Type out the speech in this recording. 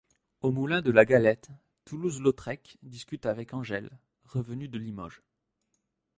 Au Moulin de la Galette, Toulouse-Lautrec discute avec Angèle, revenue de Limoges.